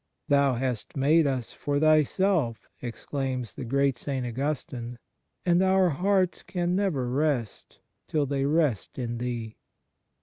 " Thou hast made us for Thyself," exclaims the great St. Augustine, " and our hearts can never rest till they rest in Thee."